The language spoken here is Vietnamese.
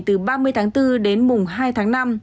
từ ba mươi tháng bốn đến mùng hai tháng năm